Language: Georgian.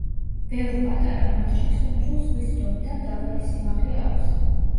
ბევრ პატარა მარჯნის კუნძულს ზღვის დონიდან დაბალი სიმაღლე აქვს.